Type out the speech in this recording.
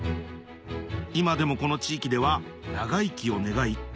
今でもこの地域では長生きを願い